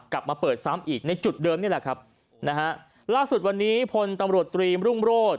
กลับมาเปิดซ้ำอีกในจุดเดิมนี่แหละครับนะฮะล่าสุดวันนี้พลตำรวจตรีมรุ่งโรธ